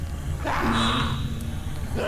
งี้